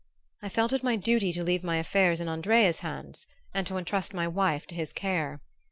I felt it my duty to leave my affairs in Andrea's hands, and to entrust my wife to his care.